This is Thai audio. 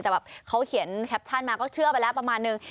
แต่แบบเขาเขียนแคปชั่นมาก็เชื่อไปแล้วประมาณนึง